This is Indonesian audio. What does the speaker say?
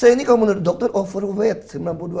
ini kalau menurut dokter overweight